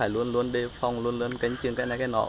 luôn luôn đề phòng luôn luôn kênh chừng cái này cái nọ